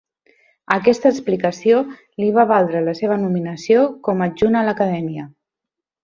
Aquesta explicació li va valdre la seva nominació com a adjunt a l'Acadèmia.